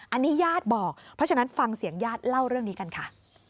อันนี้ญาติบอกเพราะฉะนั้นฟังเสียงญาติเล่าเรื่องนี้กันค่ะ